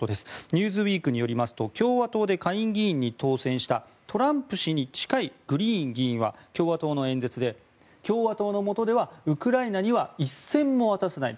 「ニューズウィーク」によりますと共和党の下院議員に当選したトランプ氏に近いグリーン議員は共和党の演説で共和党のもとではウクライナには一銭も渡さない。